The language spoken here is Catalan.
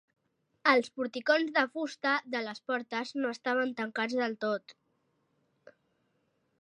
Els porticons de fusta de les portes no estaven tancats del tot.